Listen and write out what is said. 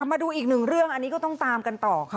มาดูอีกหนึ่งเรื่องอันนี้ก็ต้องตามกันต่อค่ะ